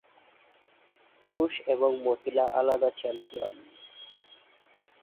পুরুষ এবং মহিলা আলাদা চ্যাম্পিয়ন।